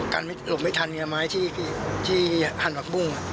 กันหลบไม่ทันไงนะไม้ที่หันปากบุ้ง